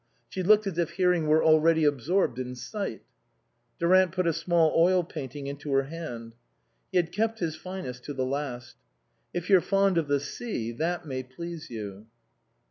She looked as if hearing were already absorbed in sight. Durant put a small oil painting into her hand. He had kept his finest to the last. " If you're fond of the sea that may please you."